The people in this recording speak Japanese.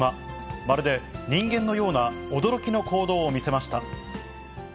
まるで人間のような驚きの行動を見せました。